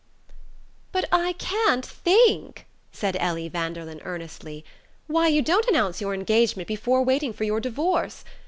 "BUT I can't think," said Ellie Vanderlyn earnestly, "why you don't announce your engagement before waiting for your divorce.